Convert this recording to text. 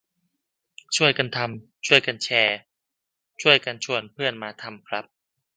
ช่วยกันทำ ช่วยกันแชร์ ช่วยกันชวนเพื่อนมาทำครับ